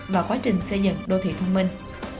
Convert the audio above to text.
vào quá trình xây dựng đô thị thông minh